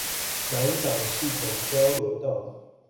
南港系統交流道